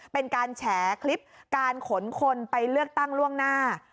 เป็นการแฉคลิปการขนคนไปเลือกตั้งล่วงหน้า